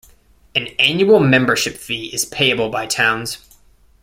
An annual membership fee is payable by towns.